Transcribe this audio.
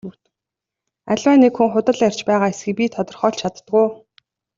Аливаа нэг хүн худал ярьж байгаа эсэхийг би тодорхойлж чаддаг уу?